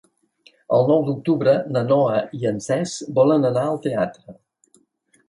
El nou d'octubre na Noa i en Cesc volen anar al teatre.